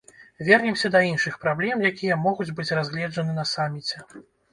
Вернемся да іншых праблем, якія могуць быць разгледжаны на саміце.